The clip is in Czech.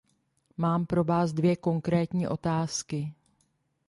Mám pro vás dvě konkrétní otázky.